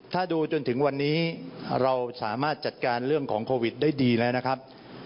ถ้าดูจนถึงวันนี้เราสามารถจัดการเรื่องของโควิดได้ดีแล้วนะครับ